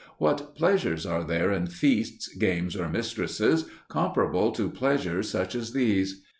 What pleasures are there in feasts, games, or mistresses comparable to pleasures such as these?